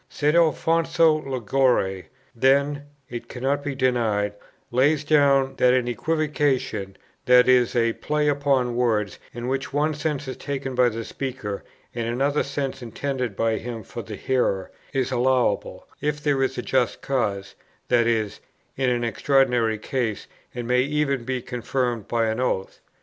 St. Alfonso Liguori, then, it cannot be denied, lays down that an equivocation, (that is, a play upon words, in which one sense is taken by the speaker, and another sense intended by him for the hearer,) is allowable, if there is a just cause, that is, in an extraordinary case, and may even be confirmed by an oath.